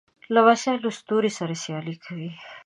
لمسی له ستوري سره سیالي کوي.